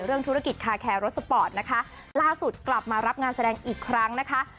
ธุรกิจคาแคร์รถสปอร์ตนะคะล่าสุดกลับมารับงานแสดงอีกครั้งนะคะ